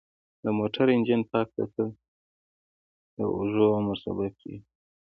د موټر انجن پاک ساتل د اوږد عمر سبب دی.